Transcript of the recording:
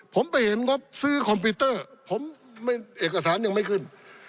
ผมไปเห็นงบซื้อคอมพิวเตอร์ผมเอกสารยังไม่ขึ้น